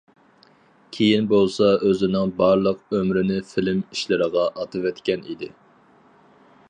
كېيىن بولسا ئۆزىنىڭ بارلىق ئۆمرىنى فىلىم ئىشلىرىغا ئاتىۋەتكەن ئىدى.